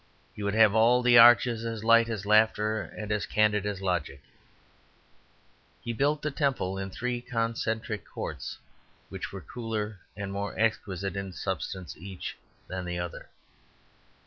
He would have all the arches as light as laughter and as candid as logic. He built the temple in three concentric courts, which were cooler and more exquisite in substance each than the other.